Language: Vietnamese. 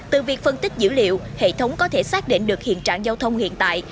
từ việc phân tích dữ liệu hệ thống có thể xác định được hiện trạng giao thông hiện tại